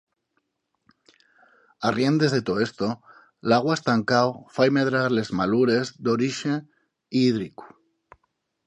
Arriendes de too esto, l'agua estancao fai medrar les malures d'orixe hídricu.